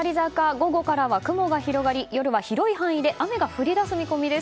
午後からは雲が広がり夜は広い範囲で雨が降り出す見込みです。